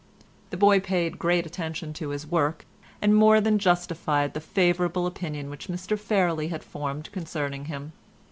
The boy paid great attention to his work, and more than justified the favourable opinion which Mr Fairlie had formed concerning him.